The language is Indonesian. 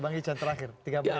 bang ican terakhir